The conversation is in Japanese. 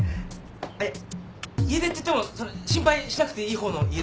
あっいや家出っていってもその心配しなくていい方の家出っていうか。